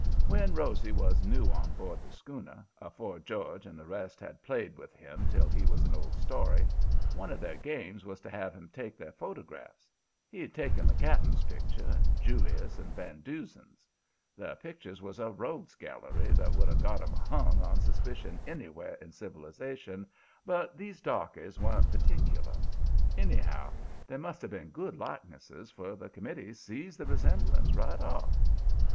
"When Rosy was new on board the schooner, afore George and the rest had played with him till he was an old story, one of their games was to have him take their photographs. He'd taken the cap'n's picture, and Julius's and Van Doozen's. The pictures was a Rogues' Gallery that would have got 'em hung on suspicion anywhere in civilization, but these darkies wa'n't particular. Anyhow they must have been good likenesses, for the committee see the resemblance right off.